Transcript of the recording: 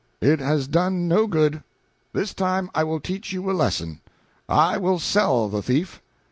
It has done no good. This time I will teach you a lesson. I will sell the thief.